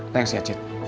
thanks ya cit